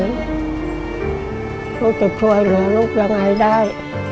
ลูกจะช่วยเหลือนี่ลูกอย่างไรได้